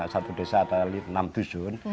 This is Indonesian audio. satu desa atau enam dusun